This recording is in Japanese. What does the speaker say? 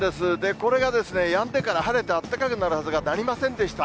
これがやんでから晴れてあったかくなるはずが、なりませんでした。